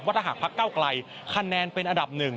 ถ้าหากพักเก้าไกลคะแนนเป็นอันดับหนึ่ง